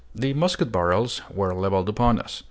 The musket barrels were leveled upon us.